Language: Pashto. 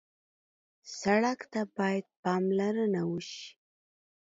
سړک ته باید پاملرنه وشي.